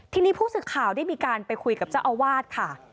ทีนี้ผู้สื่อข่าวได้มีการไปคุยกับเจ้าอาวาสค่ะ